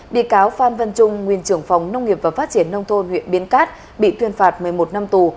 bị cáo phan văn trung nguyên trưởng phòng nông nghiệp và phát triển nông thôn huyện biên cát bị tuyên phạt một mươi một năm tù